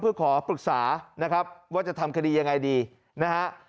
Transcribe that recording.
เพื่อขอปรึกษานะครับว่าจะทำคดียังไงดีนะฮะ